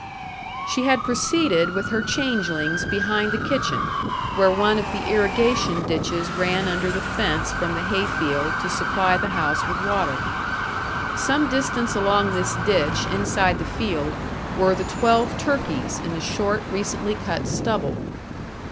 She had proceeded with her changelings behind the kitchen, where one of the irrigation ditches ran under the fence from the hay field to supply the house with water. Some distance along this ditch inside the field were the twelve turkeys in the short, recently cut stubble.